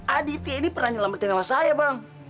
aditya ini pernah nyelamatin sama saya bang